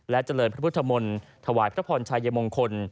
เจริญพระพุทธมนต์ถวายพระพรชัยมงคล